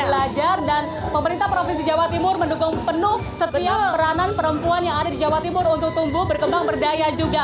belajar dan pemerintah provinsi jawa timur mendukung penuh setiap peranan perempuan yang ada di jawa timur untuk tumbuh berkembang berdaya juga